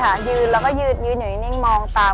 ชื่องนี้ชื่องนี้ชื่องนี้ชื่องนี้ชื่องนี้